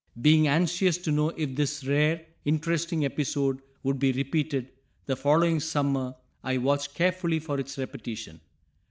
Being anxious to know if this rare, interesting episode would be repeated, the following summer I watched carefully for its repetition.